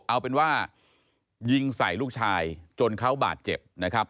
เอาเป็นว่ายิงใส่ลูกชายจนเขาบาดเจ็บนะครับ